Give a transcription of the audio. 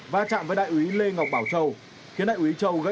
va chạm với đại úy lê ngọc bảo châu